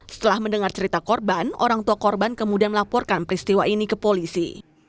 setelah mendengar cerita korban orang tua korban kemudian melaporkan peristiwa ini ke polisi